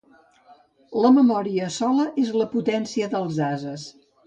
La memòria sola és la potència dels ases.